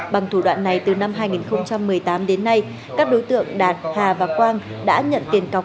bằng thủ đoạn này từ năm hai nghìn một mươi tám đến nay các đối tượng đạt hà và quang đã nhận tiền cọc